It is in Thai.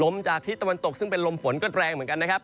จากที่ตะวันตกซึ่งเป็นลมฝนก็แรงเหมือนกันนะครับ